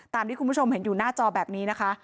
ที่คุณผู้ชมเห็นอยู่หน้าจอแบบนี้นะคะ